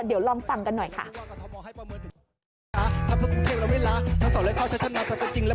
เดี๋ยวลองฟังกันหน่อยค่ะ